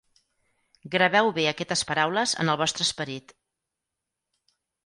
Graveu bé aquestes paraules en el vostre esperit.